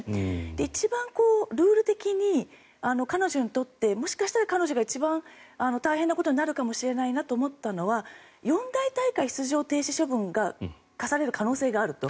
一番ルール的に彼女にとって、もしかしたら一番大変なことになるかもしれないなと思ったのは四大大会出場停止処分が科される可能性があると。